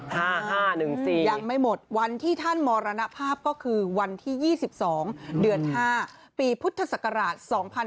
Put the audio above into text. ยังไม่หมดวันที่ท่านมรณภาพก็คือวันที่๒๒เดือน๕ปีพุทธศักราช๒๕๕๙